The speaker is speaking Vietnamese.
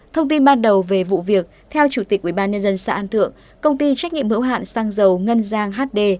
thông tin ban đầu về vụ việc theo chủ tịch ubnd xã an thượng công ty trách nhiệm hữu hạn xăng dầu ngân giang hd